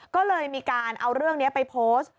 ก็เลยมีการเอาเรื่องนี้ไปโพสต์